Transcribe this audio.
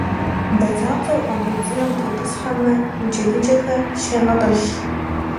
Бадзапцӏэр уӏэгъэ цӏынэм тетӏысхьэмэ, и джэдыкӏэхэр щегъэтӏылъ.